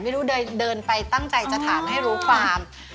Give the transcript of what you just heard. เดินไปตั้งใจจะถามให้รู้ความ